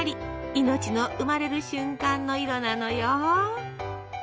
命の生まれる瞬間の色なのよ！